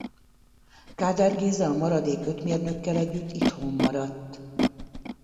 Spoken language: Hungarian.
Kádár Géza a maradék öt mérnökkel együtt itthon maradt.